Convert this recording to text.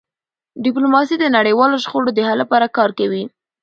ډيپلوماسي د نړیوالو شخړو د حل لپاره کار کوي.